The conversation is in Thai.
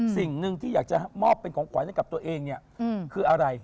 สิ่งหนึ่งที่อยากจะมอบเป็นของขวัญให้กับตัวเองเนี่ยคืออะไร